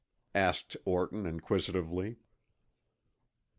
asked Orton inquisitively.